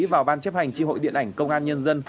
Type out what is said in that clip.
vào ban chấp hành tri hội điện ảnh công an nhân dân